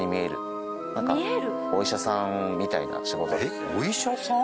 えっお医者さん？